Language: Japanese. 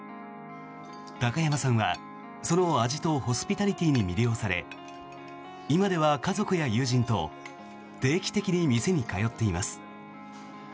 高山さんは、その味とホスピタリティーに魅了され今では家族や友人と定期的に店に通っています。